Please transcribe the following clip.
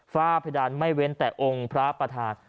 ฝ้าเพดานไม่เว้นแต่องค์พระประธาน